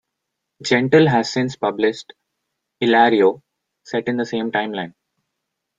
Gentle has since published "Ilario", set in the same timeline.